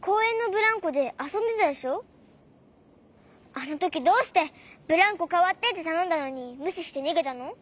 あのときどうして「ブランコかわって」ってたのんだのにむししてにげたの？